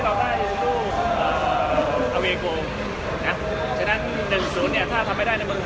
อร่อยมากครับ